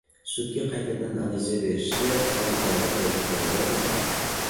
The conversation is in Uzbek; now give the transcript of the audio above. Sudga qaytadan ariza berishda ham davlat boji to`lanadimi?